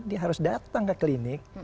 dia harus datang ke klinik